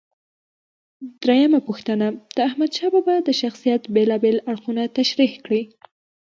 درېمه پوښتنه: د احمدشاه بابا د شخصیت بېلابېل اړخونه تشریح کړئ.